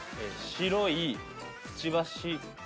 白いくちばし。